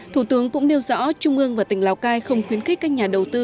thủ tướng cũng nêu rõ trung ương và tỉnh lào cai không khuyến khích các nhà đầu tư